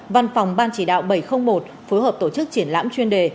văn phòng ban chỉ đạo bảy trăm linh một phối hợp tổ chức triển lãm chuyên đề